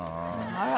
あら。